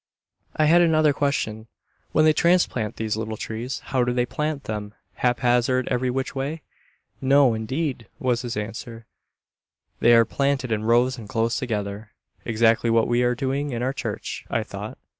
I had another question. "When they transplant these little trees how do they plant them, haphazard, every which way?" "No, indeed," was his answer, "they are planted in rows, and close together." Exactly what we are doing in our church, I thought.